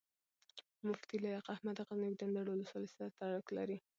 مفتي لائق احمد د غزني د اندړو ولسوالۍ سره تعلق لري